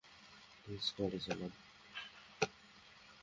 Please, গাড়ি চালান!